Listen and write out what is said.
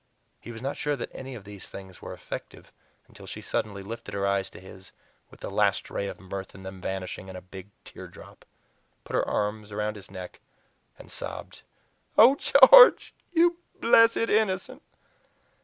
He was not sure that any of these things were effective until she suddenly lifted her eyes to his with the last ray of mirth in them vanishing in a big teardrop, put her arms round his neck, and sobbed: "Oh, George! You blessed innocent!"